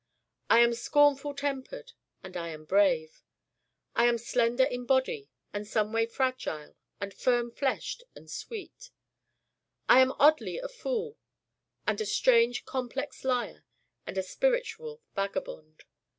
I am scornful tempered and I am brave. I am slender in body and someway fragile and firm fleshed and sweet. I am oddly a fool and a strange complex liar and a spiritual vagabond.